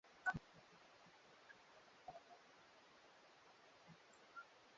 mpaka sasaVisiwa vya ngambo vya Marekani Maeneo ya ngambo ya